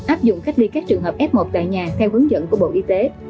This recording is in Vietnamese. áp dụng cách ly các trường hợp f một tại nhà theo hướng dẫn của bộ y tế